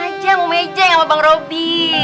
ngaja mau mejeng sama bang robby